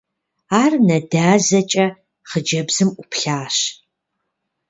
Ар нэ дазэкӀэ хъыджэбзым Ӏуплъащ.